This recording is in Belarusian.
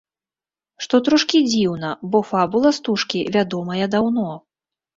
Што трошкі дзіўна, бо фабула стужкі вядомая даўно.